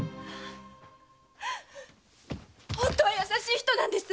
本当は優しい人なんです！